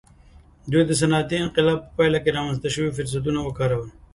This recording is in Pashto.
دوی د صنعتي انقلاب په پایله کې رامنځته شوي فرصتونه وکارول.